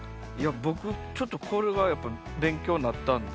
僕ちょっとこれがやっぱ勉強になったんで。